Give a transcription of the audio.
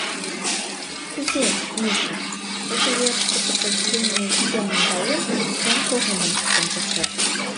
— Кузе, Миша, тудо верышке подразделенийын вӱден наҥгаен, тудлан корным ончыктен кертат?